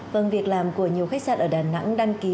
vâng việc làm của nhiều khách sạn ở đà nẵng đăng ký